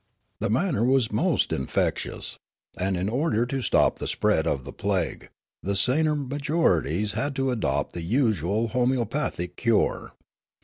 The manner was most infectious ; and, in order to stop the spread of the plague, the saner majorities had to adopt the usual homoeopathic cure.